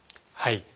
はい。